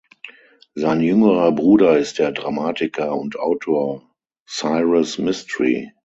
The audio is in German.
Sein jüngerer Bruder ist der Dramatiker und Autor Cyrus Mistry.